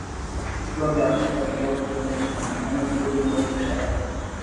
একটু আগে আশার কথা বলতে গিয়ে বলেছিলাম, অনেক যদির নদীতে সাঁতার কাটছি।